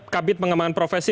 kabit pengembangan profesi